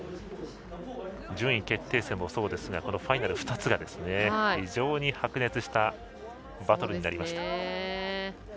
順位決定戦もそうですがファイナル２つが非常に白熱したバトルになりました。